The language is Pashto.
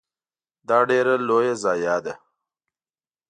دا ډیره لوی ضایعه ده .